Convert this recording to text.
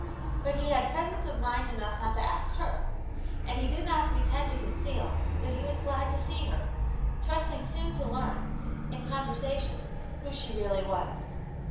But he had presence of mind enough not to ask her, and he did not pre tend to conceal that he was glad to see her, trust ing soon to learn, in conversation, who s u really was.